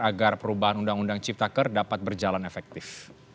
agar perubahan undang undang cipta kerja dapat berjalan efektif